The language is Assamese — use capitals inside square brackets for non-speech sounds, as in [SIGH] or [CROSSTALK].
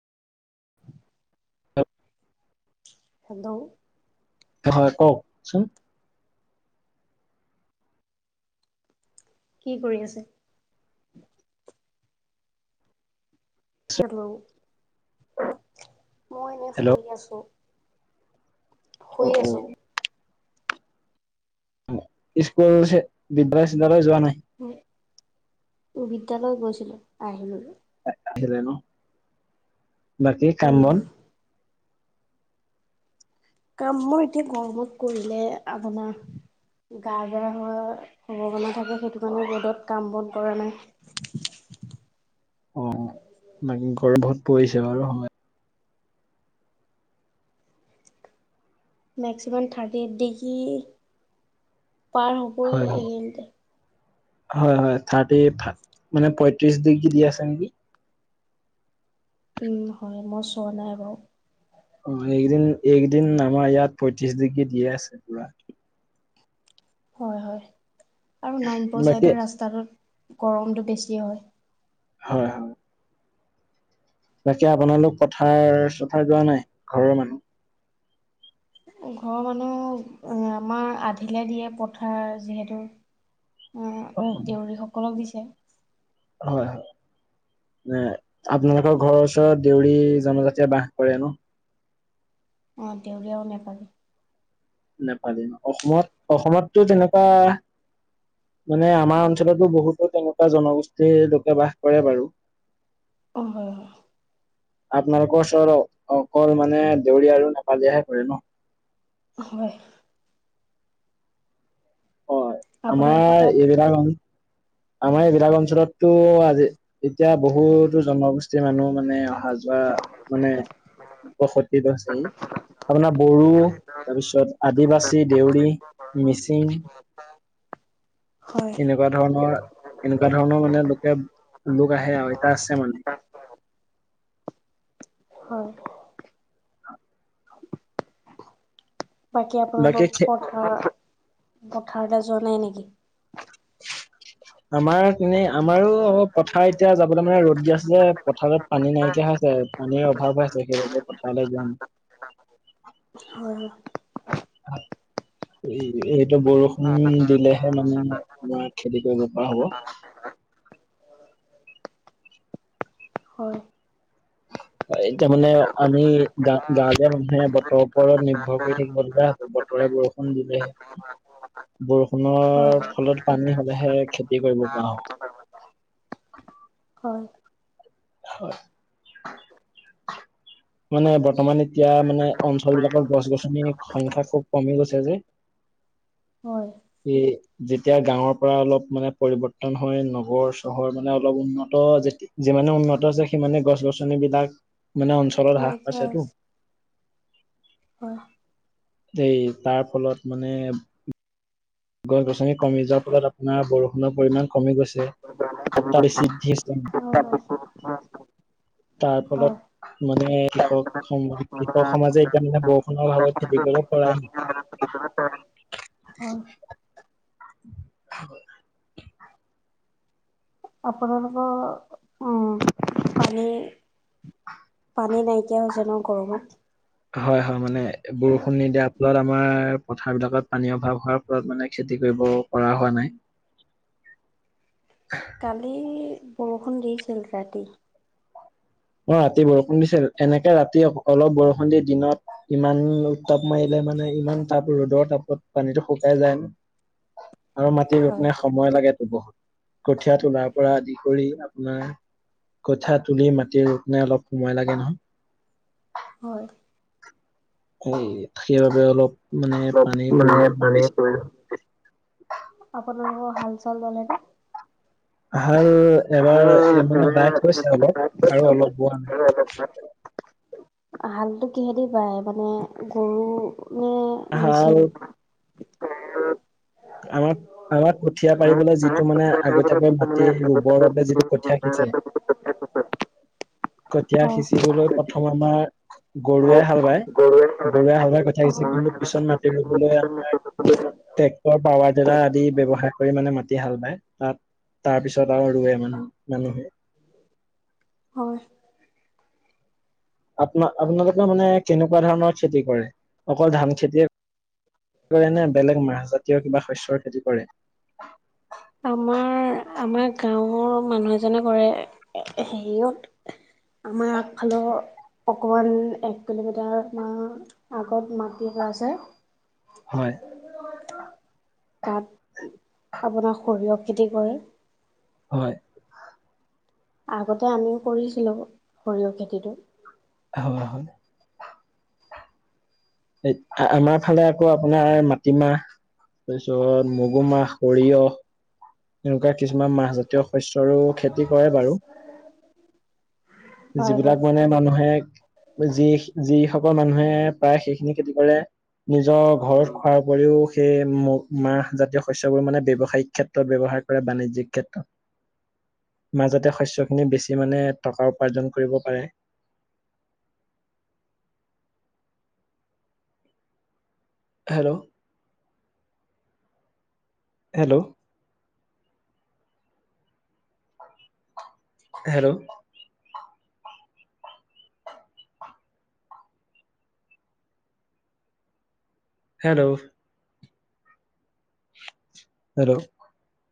[INAUDIBLE] হেল্ল' হয় কওকচোন। কি কৰি আছে? হেল্ল', মই এনে হেল্ল' ফুৰি আছো। অ শুই অ আছো। স্কুল বিদ্যালয় যোৱা নাই? উ বিদ্যালয় গৈছিলো আহিলো। আহিলে ন, বাকী কাম উম বন? কাম মই এতিয়া গৰমত কৰিলে আপোনাৰ গা ধেৰা হোৱাৰ সম্ভাৱনা থাকে সেইটো কাৰণে ৰ'দত কাম বন কৰা নাই। অ', বাকী বহুত ৰ'দ পৰিছে বাৰু হয়। Maximum thirty degree. পাৰ হ'বই হয় এইখিনতে। হয় হয় থাৰ্টি মানে পঁয়ত্ৰিশ দি দি আছে নেকি? উম, হয় মই চোৱা নাই বাৰু। অ', এইকেইদিন এইকেইদিন আমাৰ ইয়াত পঁয়ত্ৰিশ ডিগ্ৰী দিয়ে আছে পুৰা। হয় হয়, আৰু নাইনপুৰ বাকী চাইদৰ ৰাস্তাটোত। গৰমটো বেছি হয়। হয় হয়। বাকী আপোনালোক পথাৰ- চথাৰ যোৱা নাই ঘৰৰ মানুহ? ঘৰৰ মানুহ আমাৰ আধিলে দিয়ে পথাৰ যিহেতু অ' অ দেউৰী সকলক দিছে। হয় হয়, মানে আপোনালোকৰ ঘৰৰ ওচৰত দেউৰী জনজাতিয় বাস কৰে ন? অ', দেউৰী আৰু নেপালী। নাপালী, অসমত অসমতটো তেনেকুৱা মানে আমাৰ অঞ্চলতো বহুতো তেনেকুৱা জনগোষ্ঠীৰ লোকে বাস কৰে বাৰু। অ', হয়। আপোনালোকৰ ওচৰত অকল মানে দেউৰী আৰু নেপালীয়েহে কৰে ন? হয়। অ', আপোনালোকৰ আমাৰ তাত এইবিলাক অ' আমাৰ এইবিলাক অঞ্চলততো আজি এতিয়া বহুতো জনগোষ্ঠীৰ মানুহ মানে অহা যোৱা মানে বসতি বাছে। আপোনাৰ বড়ো তাৰপিছত আদিবাসী, দেউৰী মিচিং, হয় এনেকুৱা ধৰণৰ এনেকুৱা ধৰণৰ মানে লোকে লোক আহে আৰু এতিয়া আছে মানে। হয়। বাকী আপোনালোক বাকী পথাৰ-পথাৰতে যোৱা নাই নেকি? [INAUDIBLE] আমাৰ এনেই আমাৰো পথাৰ এতিয়া যাবলৈ মানে ৰ'দ দি আছে যে পথাৰত পানী নাইকিয়া হয়। পানীৰ অভাৱ হৈ আছে, সেইবাবে পথাৰলৈ যোৱা নাই। [INAUDIBLE] [INAUDIBLE] এইটো বৰষুণ দিলেহে মানে আমাৰ খেতি কৰিব পৰা হ'ব। [INAUDIBLE] হয় [INAUDIBLE] অ', এতিয়া মানে আমি গা-গাঁৱলীয়া মানুহে বতৰৰ ওপৰত নিৰ্ভৰ কৰি থাকিব লগগীয়া হ'ব। বৰষুণ দিলেহে। হয় বৰষুণৰ ফলত পানী হলেহে খেতি কৰিব পৰা হ'ব। [INAUDIBLE] হয় [INAUDIBLE] মানে বৰ্তমান এতিয়া মানে অঞ্চল বিলাকত গছ গছনিৰ সংখ্যা খুব কমি গৈছে যে [INAUDIBLE] হয়। ই যেতিয়া গাঁৱৰ পৰা অলপ মানে পৰিৱৰ্তন হয় নগৰ চহৰ মানে অলপ উন্নত [UNINTELLIGIBLE] উন্নত যে সিমানে গছ গছনিবিলাক মানে অঞ্চলত হ্ৰাস নাইকিয়া পাইছেতো হৈছে হয়। হয়। এই তাৰ ফলত মানে গছ গছনি কমি যোৱাৰ ফলত আপোনাৰ বৰষুণৰ পৰিমাণ কমি গৈছে [UNINTELLIGIBLE] হয় তাৰ ফলত মানে কৃষক সম কৃষক সমাজে এতিয়া মানে বৰষুণৰ অভাৱত খেতি কৰি [INAUDIBLE] [UNINTELLIGIBLE] [INAUDIBLE] আপোনালোকৰ উম পানী পানী নাইকিয়া হৈছে ন গৰমত হয় হয় মানে বৰষুণ নিদিয়াৰ ফলত আমাৰ পথাৰ বিলাকত পানীৰ অভাৱ হোৱাৰ ফলত মানে খেতি কৰিব পৰা হোৱা নাই কালি বৰষুণ দিছিল ৰাতি অ' ৰাতি বৰষুণ দিছিল এনেকে ৰাতি অলপ বৰষুণ দি দিনত ইমান উত্তাপ মাৰিলে মানে ইমান তাপ ৰ'দৰ তাপত পানীটো শুকাই যায় আৰু মাটি হয় বপনে সময় লাগেটো বহুত কঠীয়া তোলাৰ পৰা আদি কৰি আপোনাৰ কঠীয়া তুলি মা এতিয়া ৰদ নাই অলপ সময় লাগে নহয় হয় এই সেইবাবে অলপ মানে অলপ পানীৰ মানে প্ৰয়োজন পানী পৰি বেছি [UNINTELLIGIBLE] আপোনালোকৰ হাল চাল বালে নে হাল এবাৰ মানে বাই থৈছে অলপ আৰু অলপ বোৱা নাই [INAUDIBLE] হালটো কিহেঁদি পাই মানে গৰু নে হাল মেচিন আমাক আমাক কঠীয়া হয় পাৰিবলৈ যিটো মানে আগতীয়াকৈ মাতি ৰুবৰ বাবে যিটো কঠিয়া [INAUDIBLE] কঠীয়া সিচিবলৈ প্ৰথম আমাৰ গৰুৱে হাল বায় গৰুৱে হাল বায় কথা অ হৈছে কিন্তু পিছত মাটি ৰুবলৈ আমাৰ পাৱাৰ টিলাৰ আদি ব্যৱহাৰ কৰি মানে মাটি হাল বায় তাত তাৰ পিছত আৰু ৰোৱে মানহ মানুহে হয়। আপ আপোনালোকে মানে কেনেকুৱা ধৰণৰ খেতি কৰে অকল ধান খেতিয়ে নে বেলেগ মাহজাতীয় কিবা শস্যৰ খেতি কৰে আমাৰ আমাৰ গাঁও মানুহ এজনে কৰে হেৰিয়ত আমাৰ আগফালৰ অকমান এক কিলোমিটাৰ মান আগত মাটি এটা আছে হয় তাত আপোনাৰ সৰিয়হ খেতি কৰে হয়। আগতে আমিও কৰিছিলো সৰিয়হ খেতিটো হয় হয়। আমাৰ ফালে আকৌ আপোনাৰ মাটিমাহ তাৰপিছত মগু মাহ সৰিয়হ এনেকুৱা কিছুমান মাহজাতীয় শস্যৰো খেতি কৰে বাৰু হয় যিবিলাক হয় মানে মানুহে যি যিসকল মানুহে প্ৰায় সেইখিনি খেতি কৰে নিজৰ ঘৰত খোৱাৰ উপৰিও সেই মাহ জাতীয় শচ্যবোৰ মানে বৱসায়িক ক্ষেত্ৰত ব্যৱহাৰ কৰে বানিজ্যিক ক্ষেত্ৰত মাজতে শচ্যখিন বেছি মানে টকা উপাৰ্জন কৰিব পাৰে। Hello hello hello hello hello